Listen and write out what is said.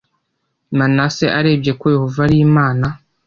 manase amenya ko yehova ari imana